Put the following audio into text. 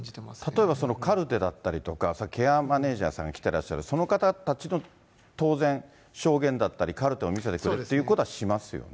例えばカルテだったりとか、ケアマネージャーさんが来ていらっしゃる、その方たちの、当然証言だったり、カルテを見せてくれるっていうことはしますよね。